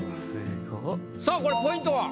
さあこれポイントは？